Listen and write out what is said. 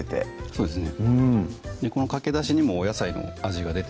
そうですね